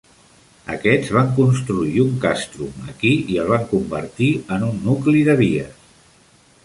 Aquests van construir un castrum aquí i el van convertir en un nucli de vies.